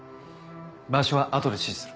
場所はあとで指示する。